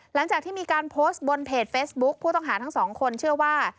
หลังจากที่มีการโพสต์บนเพจเฟซบุ๊คผู้ต้องหาทั้งสองคนเชื่อว่า